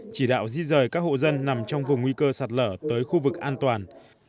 chỉ đạo di rời các hộ dân nằm trong vùng nguy cơ sạt lở tới khu vực an toàn